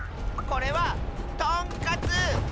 これは「とんかつ」！